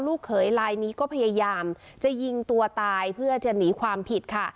เขยลายนี้ก็พยายามจะยิงตัวตายเพื่อจะหนีความผิดค่ะ